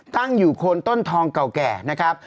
ตั้งอยู่โคนต้นทองเก่าแก่นะครับ